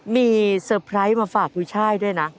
มีเซอร์ไพรส์มาฝากกุ้ยช่ายด้วยนะ